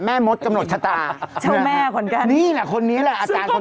มดกำหนดชะตาเช่าแม่เหมือนกันนี่แหละคนนี้แหละอาจารย์คน